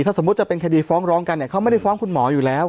ถ้าสมมุติจะเป็นคดีฟ้องร้องกันเนี่ยเขาไม่ได้ฟ้องคุณหมออยู่แล้ว